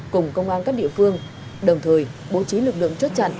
cùng công an các địa phương đồng thời bố trí lực lượng chốt chặn